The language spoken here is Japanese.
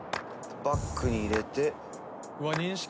バックに入れて。